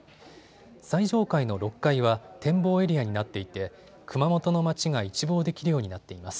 最上階の６階は展望エリアになっていて熊本の町が一望できるようになっています。